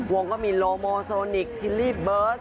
วงก็มีโลโมโซนิคทิลลี่เบิร์ต